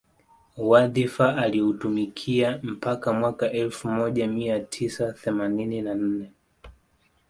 Wadhifa alioutumikia mpaka Mwaka elfu moja mia tisa themanini na nne